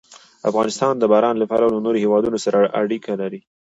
افغانستان د باران له پلوه له نورو هېوادونو سره اړیکې لري.